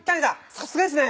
さすがですね。